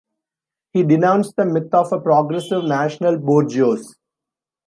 He denounced the "myth of a progressive national bourgeoisie".